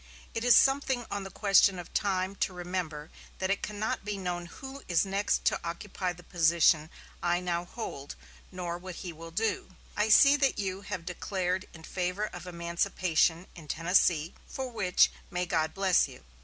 It is something on the question of time to remember that it cannot be known who is next to occupy the position I now hold, nor what he will do. I see that you have declared in favor of emancipation in Tennessee, for which, may God bless you.